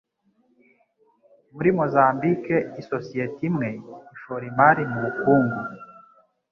Muri Mozambike, isosiyete imwe ishora imari mubukungu